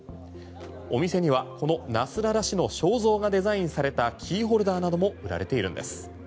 お店にはこのナスララ師の肖像がデザインされたキーホルダーなども売られているんです。